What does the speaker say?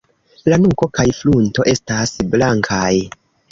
La nuko kaj frunto estas blankaj.